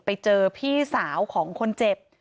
ไปเจอพี่สาวของคนเจ็บ